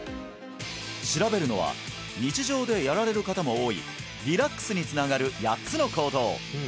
調べるのは日常でやられる方も多いリラックスにつながる８つの行動